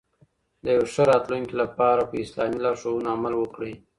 د یو ښه راتلونکي لپاره په اسلامي لارښوونو عمل وکړئ.